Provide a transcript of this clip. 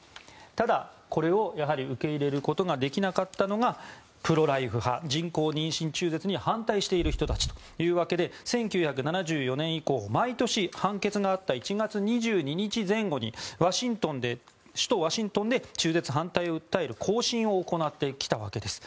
ただ、これを受け入れることができなかったのがプロ・ライフ派、人工妊娠中絶に反対している人たちというわけで１９７４年以降、毎年判決があった１月２２日前後に首都ワシントンで中絶反対を訴える行進を行ってきたわけです。